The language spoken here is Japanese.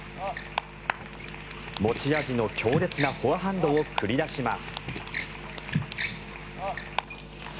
持ち味の強烈なフォアハンドを繰り出します。